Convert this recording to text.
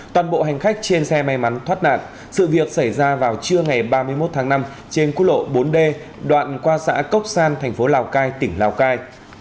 toàn bộ hành khách trên xe may mắn thoát nạn sự việc xảy ra vào trưa ngày ba mươi một tháng năm trên quốc lộ bốn d đoạn qua xã cốc san thành phố lào cai tỉnh lào cai